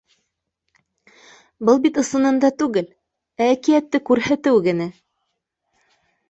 Был бит ысынында түгел, ә әкиәтте күрһәтеү генә.